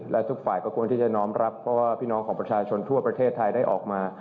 และทุกฝ่ายก็ควรที่จะน้อมรับเพราะว่าพี่น้องของประชาชนทั่วประเทศไทยได้ออกมา